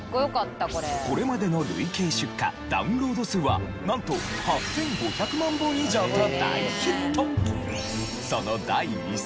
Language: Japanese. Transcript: これまでの累計出荷ダウンロード数はなんと８５００万本以上と大ヒット！